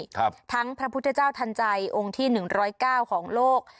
ทั้งพระพุทธเจ้าทันใจองค์ที่หนึ่งร้อยเก้าของโลก